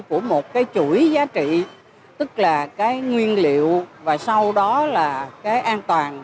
của một cái chuỗi giá trị tức là cái nguyên liệu và sau đó là cái an toàn